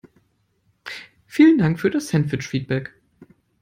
Vielen Dank für das Sandwich-Feedback!